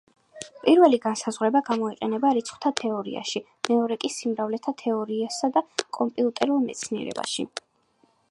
პირველი განსაზღვრება გამოიყენება რიცხვთა თეორიაში, მეორე კი სიმრავლეთა თეორიასა და კომპიუტერულ მეცნიერებაში.